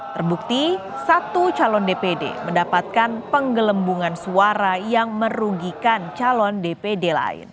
terbukti satu calon dpd mendapatkan penggelembungan suara yang merugikan calon dpd lain